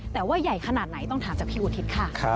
แต่ว่าใหญ่ขนาดไหนต้องถามจากพี่อุทิศค่ะ